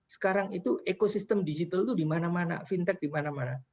sekarang itu ekosistem digital itu di mana mana fintech di mana mana